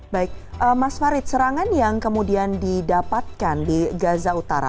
baik mas farid serangan yang kemudian didapatkan di gaza utara